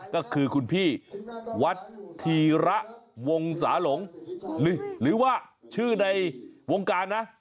ก็คือคุณพี่วัดธีระวงศาหลงหรือว่าชื่อในวงการนะ